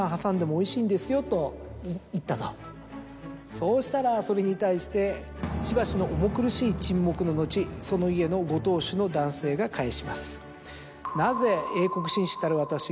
「そうしたらそれに対してしばしの重苦しい沈黙の後その家のご当主の男性が返します」。